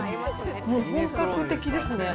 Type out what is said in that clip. もう本格的ですね。